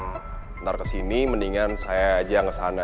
bentar kesini mendingan saya aja kesana